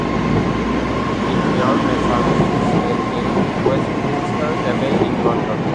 Each year a service is held in Westminster Abbey in London.